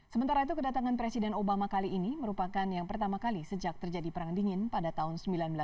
sementara itu kedatangan presiden obama kali ini merupakan yang pertama kali sejak terjadi perang dingin pada tahun seribu sembilan ratus sembilan puluh